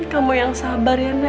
kamu yang sabar ya nak ya